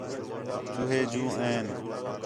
چوہے جوں آئِن